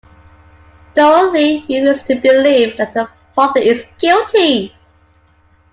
Dorothy refuses to believe that her father is guilty.